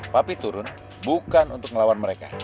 papi turun bukan untuk ngelawan mereka